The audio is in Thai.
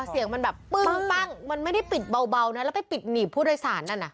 เสียงมันแบบปึ้งปั้งมันไม่ได้ปิดเบานะแล้วไปปิดหนีบผู้โดยสารนั่นน่ะ